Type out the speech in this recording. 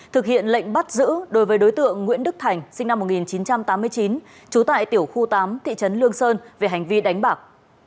thực hiện lệnh bắt giữ đối với đối tượng nguyễn đức thành sinh năm một nghìn chín trăm tám mươi chín trú tại tiểu khu tám thị trấn lương sơn về hành vi đánh bạc